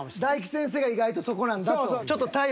大吉先生が意外とそこなんだと。